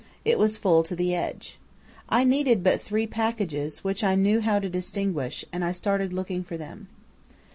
It was full to the edge. I needed but three packages, which I knew how to distinguish, and I started looking for them.